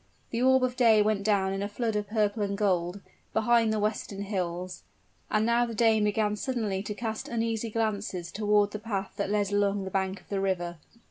The orb of day went down in a flood of purple and gold, behind the western hills; and now the dame began suddenly to cast uneasy glances toward the path that led along the bank of the river.